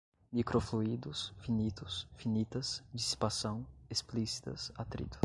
microfluidos, finitos, finitas, dissipação, explícitas, atrito